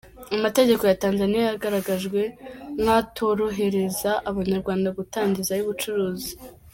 Amategeko ya Tanzaniya, yagaragajwe nk’atorohereza abanyarwanda gutangizayo ubucuruzi.